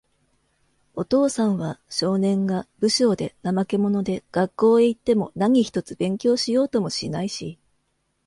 お父さんは、少年が、無精で、怠け者で、学校へいっても何一つ勉強しようともしないし、